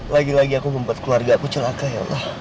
lagi lagi aku membuat keluarga aku celaka ya allah